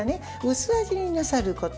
薄味になさること。